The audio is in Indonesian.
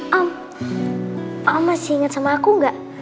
pak om masih inget sama aku gak